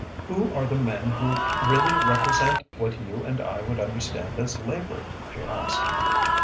"Who are the men who really represent what you and I would understand as Labour?" she asked.